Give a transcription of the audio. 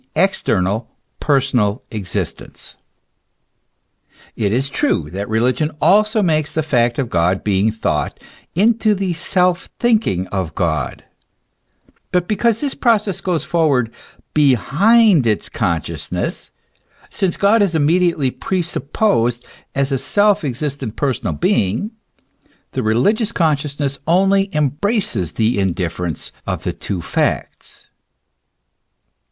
e., external, personal existence. It is true that re ligion also makes the fact of God being thought into the self thinking of God ; but because this process goes forward behind its consciousness, since God is immediately presupposed as a self existent personal being, the religious consciousness only embraces the indifference of the two facts.